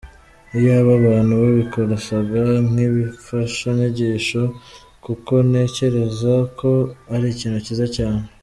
Iyaba abantu babikoreshaga nk’imfashanyigisho, kuko ntekereza ko ari ikintu cyiza cyane.